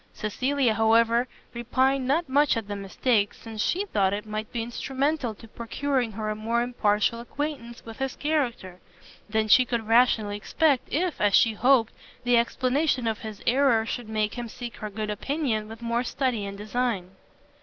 Cecilia, however, repined not much at the mistake, since she thought it might be instrumental to procuring her a more impartial acquaintance with his character, than she could rationally expect, if, as she hoped, the explanation of his error should make him seek her good opinion with more study and design.